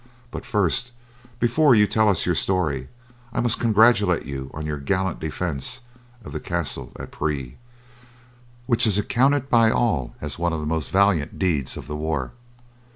But first, before you tell us your story, I must congratulate you on your gallant defence of the Castle of Pres, which is accounted by all as one of the most valiant deeds of the war.